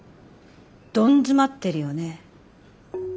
どん詰まってるよね。